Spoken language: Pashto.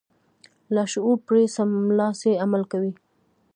لاشعور پرې سملاسي عمل کوي.